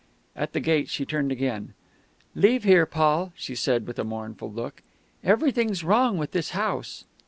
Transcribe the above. At the gate she turned again. "Leave here, Paul," she said, with a mournful look. "Everything's wrong with this house."